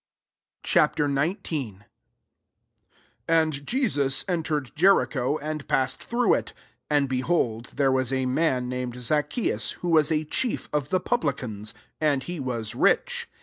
Ch.XIX, \ Avd Je9U9 enter ed Jericho, and passed through it. 9. And, behold, there was a man named Zaccheus, who was a chief of the publicans ; and he was rich.